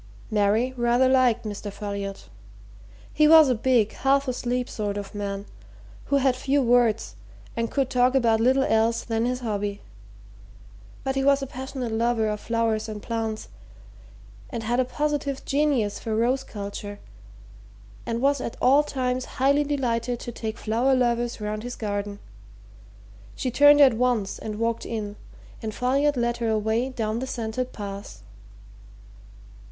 Mary rather liked Mr. Folliot. He was a big, half asleep sort of man, who had few words and could talk about little else than his hobby. But he was a passionate lover of flowers and plants, and had a positive genius for rose culture, and was at all times highly delighted to take flower lovers round his garden. She turned at once and walked in, and Folliot led her away down the scented paths.